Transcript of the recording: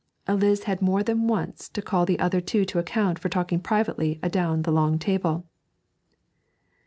Eliz had more than once to call the other two to account for talking privately adown the long table.